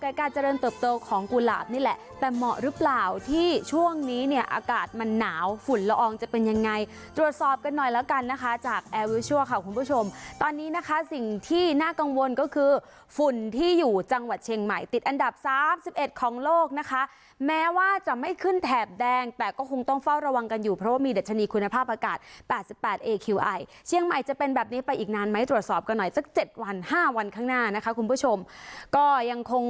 การการเจริญเติบเติบของกุหลาบนี่แหละแต่เหมาะหรือเปล่าที่ช่วงนี้เนี่ยอากาศมันหนาวฝุ่นละอองจะเป็นยังไงตรวจสอบกันหน่อยแล้วกันนะคะจากแอร์วิวชั่วค่ะคุณผู้ชมตอนนี้นะคะสิ่งที่น่ากังวลก็คือฝุ่นที่อยู่จังหวัดเชียงใหม่ติดอันดับสามสิบเอ็ดของโลกนะคะแม้ว่าจะไม่ขึ้นแถบแดงแต่ก็คงต้